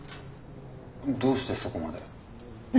どうしてそこまで？